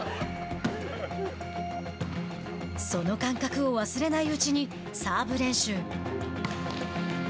その感覚を忘れないうちにサーブ練習。